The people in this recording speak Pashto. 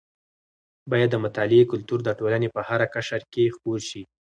باید د مطالعې کلتور د ټولنې په هره قشر کې خپور شي.